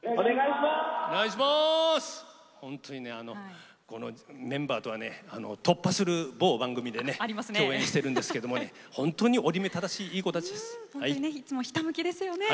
本当に、メンバーとはね突破する某番組で共演しているんですけど本当に折り目正しいいい子たちです。